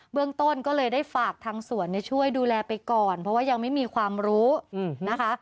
เรื่องต้นก็เลยได้ฝากทางสวนช่วยดูแลไปก่อนเพราะว่ายังไม่มีความรู้นะคะ